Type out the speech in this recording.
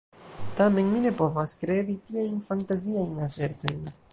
Tamen mi ne povas kredi tiajn fantaziajn asertojn.